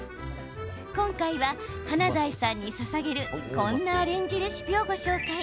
今回は、華大さんにささげるこんなアレンジレシピをご紹介。